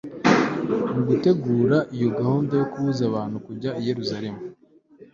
Mu gutegura iyo gahunda yo kubuza abantu kujya i Yerusalemu